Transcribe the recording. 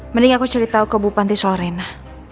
mending aku cerita ke bu panti sorena